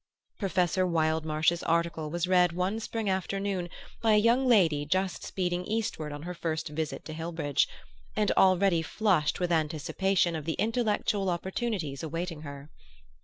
Professor Wildmarsh's article was read one spring afternoon by a young lady just speeding eastward on her first visit to Hillbridge, and already flushed with anticipation of the intellectual opportunities awaiting her.